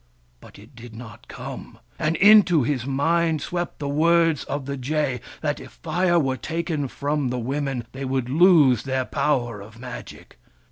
But it did not come ; and into his mind swept the words of the jay, that if Fire were taken from the Women, they would lose their power of Magic.